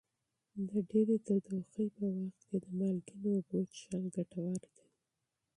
د ډېرې ګرمۍ په وخت کې د مالګینو اوبو څښل ګټور دي.